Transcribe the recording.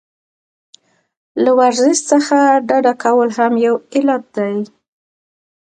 له ورزش څخه ډډه کول هم یو علت دی.